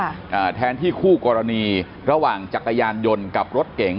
อ่าแทนที่คู่กรณีระหว่างจักรยานยนต์กับรถเก๋ง